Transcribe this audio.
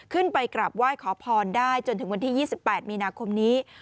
ขึ้นไปกราบไหว้ขอพรได้จนถึงวันที่๒๘มีนาคมนี้